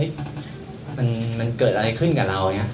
เฮ้ยมันเกิดอะไรขึ้นกับเราเนี่ย